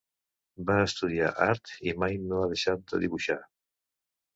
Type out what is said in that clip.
Va estudiar art i mai no ha deixat de dibuixar.